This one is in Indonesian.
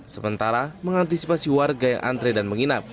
sementara mengantisipasi warga yang antre dan menginap